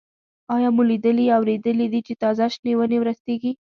آیا مو لیدلي یا اورېدلي دي چې تازه شنې ونې ورستېږي؟